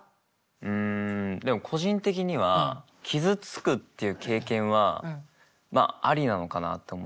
うんでも個人的には傷つくっていう経験はありなのかなって思ってて。